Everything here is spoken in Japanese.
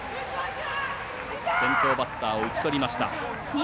先頭バッターを打ちとりました。